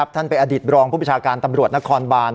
ท่านเป็นอดีตรองค์ผู้บังกัชการตำรวจนะคะวนบาน